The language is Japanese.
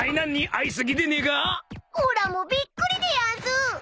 ［おらもびっくりでやんす］